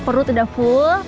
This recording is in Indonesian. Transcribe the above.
ya perut udah full